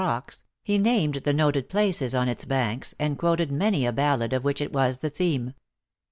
o rocks, he named the noted places on its banks, and quoted many a ballad of which it was the theme.